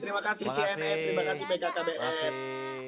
terima kasih cna